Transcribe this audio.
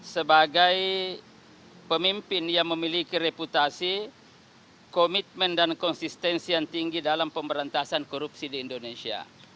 sebagai pemimpin yang memiliki reputasi komitmen dan konsistensi yang tinggi dalam pemberantasan korupsi di indonesia